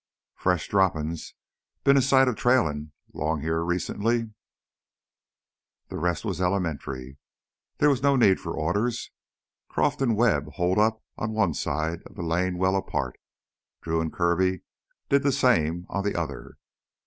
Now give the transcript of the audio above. "Fresh droppin's. Been a sight of trailin' 'long heah recent." The rest was elementary. There was no need for orders. Croff and Webb holed up on one side of the lane well apart; Drew and Kirby did the same on the other.